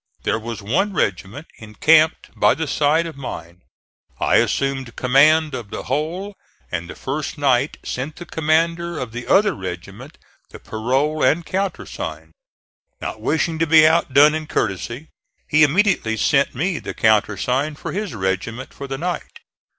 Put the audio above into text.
There was one regiment encamped by the side of mine. I assumed command of the whole and the first night sent the commander of the other regiment the parole and countersign. Not wishing to be outdone in courtesy, he immediately sent me the countersign for his regiment for the night.